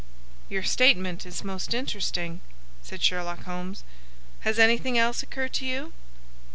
"Your statement is most interesting," said Sherlock Holmes. "Has anything else occurred to you?"